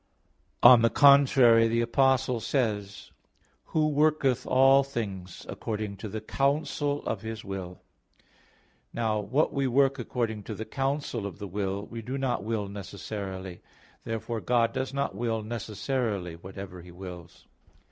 On the contrary, The Apostle says (Eph. 1:11): "Who worketh all things according to the counsel of His will." Now, what we work according to the counsel of the will, we do not will necessarily. Therefore God does not will necessarily whatever He wills.